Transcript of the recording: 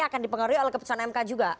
akan dipengaruhi oleh keputusan mk juga